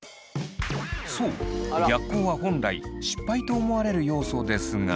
そう逆光は本来失敗と思われる要素ですが。